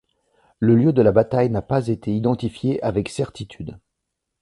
Le lieu de la bataille n'a pas été identifié avec certitude.